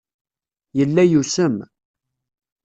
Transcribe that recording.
Yella yusem.